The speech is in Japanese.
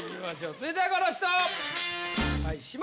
続いてはこの人。